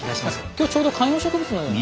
今日ちょうど観葉植物のような。